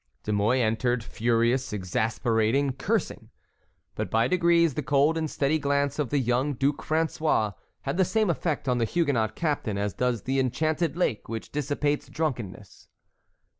De Mouy entered, furious, exasperated, cursing. But by degrees the cold and steady glance of the young Duc François had the same effect on the Huguenot captain as does the enchanted lake which dissipates drunkenness.